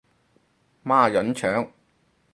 孖膶腸